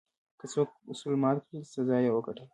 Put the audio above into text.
که څوک اصول مات کړل، سزا یې وګټله.